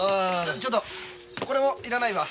ちょっとこれもいらないわ。